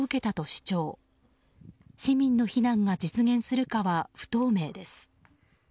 市民の避難が実現するかは不透明です。